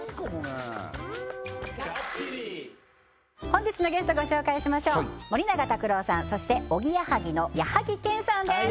本日のゲストご紹介しましょう森永卓郎さんそしておぎやはぎの矢作兼さんです